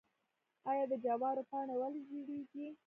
آیا د جوارو پاڼې ولې ژیړیږي؟